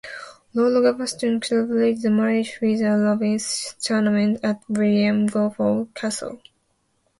Lord Gaveston celebrated the marriage with a lavish tournament at Wallingford Castle.